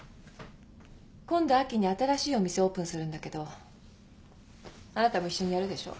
今度秋に新しいお店オープンするんだけどあなたも一緒にやるでしょう？